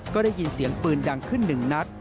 ก็ได้ยินเสียงปืนดังขึ้นหนึ่งนัด